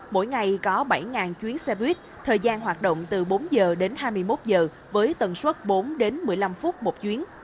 mỗi ngày có bảy chuyến xe buýt thời gian hoạt động từ bốn giờ đến hai mươi một giờ với tần suất bốn đến một mươi năm phút một chuyến